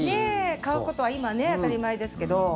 買うことは今当たり前ですけど。